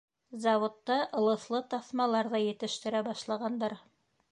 Заводта ылыҫлы таҫмалар ҙа етештерә башлағандар.